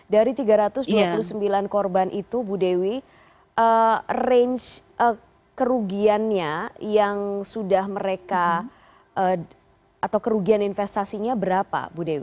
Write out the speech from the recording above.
dari tiga ratus dua puluh sembilan korban itu bu dewi range kerugiannya yang sudah mereka atau kerugian investasinya berapa bu dewi